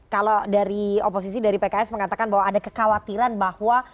kalau dari oposisi dari pks mengatakan bahwa ada kekhawatiran bahwa